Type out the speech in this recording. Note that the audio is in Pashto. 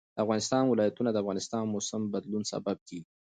د افغانستان ولايتونه د افغانستان د موسم د بدلون سبب کېږي.